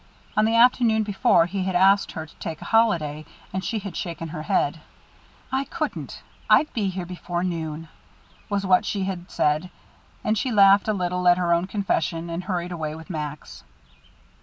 On the afternoon before he had asked her to take a holiday, and she had shaken her head. "I couldn't I'd be here before noon," was what she had said; and she had laughed a little at her own confession, and hurried away with Max.